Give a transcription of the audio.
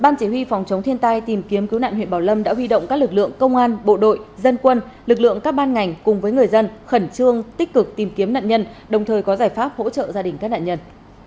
lũ nạn huyện bảo lâm đã huy động các lực lượng công an bộ đội dân quân lực lượng các ban ngành cùng với người dân khẩn trương tích cực tìm kiếm nạn nhân đồng thời có giải pháp hỗ trợ gia đình các nạn nhân